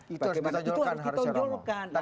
itu harus ditonjolkan